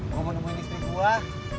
mau menemuin istri pulang